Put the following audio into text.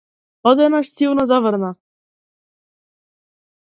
Одеднаш силно заврна.